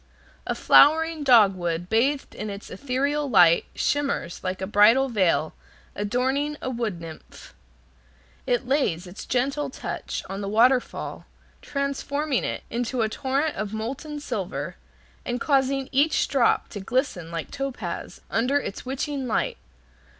A flowering dogwood bathed in its ethereal light shimmers like a bridal veil adorning a wood nymph. It lays its gentle touch on the waterfall, transforming it into a torrent of molten silver, and causing each drop to glisten like topaz under its witching light.